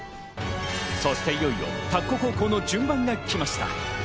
そしていよいよ田子高校の順番が来ました。